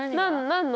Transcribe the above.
何の？